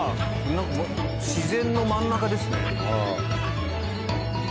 なんか自然の真ん中ですね。